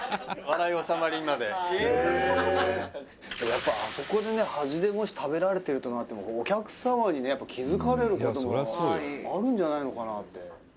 「やっぱあそこでね端でもし食べられてるとなるとお客様にね気付かれる事もあるんじゃないのかなって」